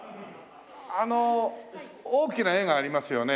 あの大きな絵がありますよね。